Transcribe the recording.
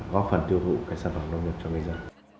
góp phần tiêu thụ sản phẩm nông nghiệp cho bây giờ